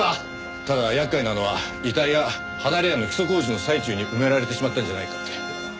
ただ厄介なのは遺体は離れ家の基礎工事の最中に埋められてしまったんじゃないかって。